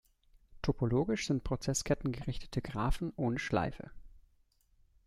Topologisch sind Prozessketten gerichtete Graphen ohne Schleife.